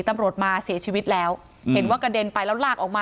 ตำรวจมาเสียชีวิตแล้วเห็นว่ากระเด็นไปแล้วลากออกมา